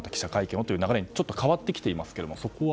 そういう流れに変わってきていますが、そこは？